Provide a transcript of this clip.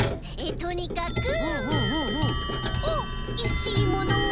とにかく「お」いしいものを！